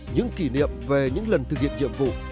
những kỷ niệm về những lần thực hiện nhiệm vụ